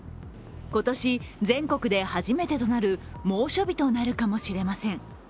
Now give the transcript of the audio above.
今年、全国で初めてとなる猛暑日となるかもしれません。